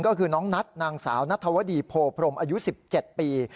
ก็คือน้องนัทนางสาวนัทธวดีโพพรมอายุ๑๗ปี